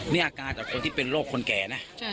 นี่อาการกับคนที่เป็นโรคคนแก่นะ